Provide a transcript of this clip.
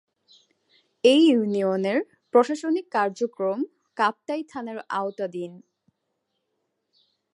এ ইউনিয়নের প্রশাসনিক কার্যক্রম কাপ্তাই থানার আওতাধীন।